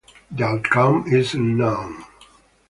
The outcome is unknown.